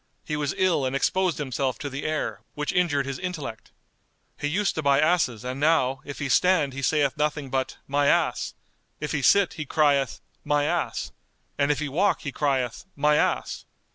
He was ill and exposed himself to the air, which injured his intellect. He used to buy asses and now, if he stand he saith nothing but, My ass! if he sit he crieth, My ass! and if he walk he crieth, My ass!